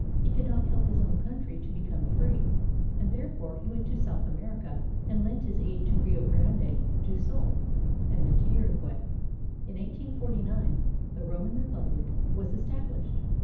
He could not help his own country to become free, and therefore he went to South America and lent his aid to Rio Grande do Sul and then to Uruguay. In 1S49, the "Roman Republic" was established.